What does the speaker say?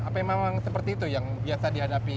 apa yang seperti itu yang biasa dihadapi